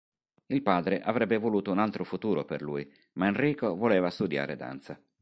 Il padre avrebbe voluto un altro futuro per lui ma Enrico voleva studiare danza.